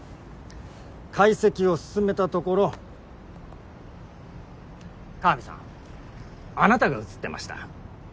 解析を進めたところ鏡さんあなたが映ってました。